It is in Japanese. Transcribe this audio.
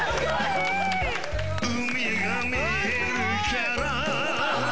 海が見えるから